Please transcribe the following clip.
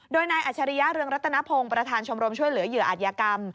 โดยนายอัชริยะเรืองรัตนพงศ์ประธานชมรมช่วยเหลือเหยื่ออาจยากรรม